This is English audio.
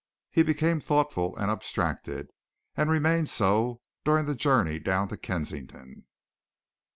He became thoughtful and abstracted, and remained so during the journey down to Kensington.